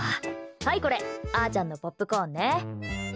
はいこれ、あーちゃんのポップコーンね。